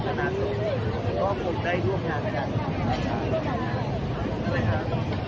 เขาทำไมไม่ได้ถ่ายมา